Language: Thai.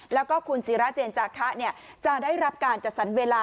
แล้วก็คุณศิราเจนจาคะจะได้รับการจัดสรรเวลา